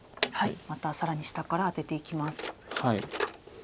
また更に下からアテていきます。